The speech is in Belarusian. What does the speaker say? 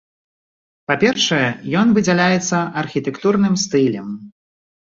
Па-першае, ён выдзяляецца архітэктурным стылем.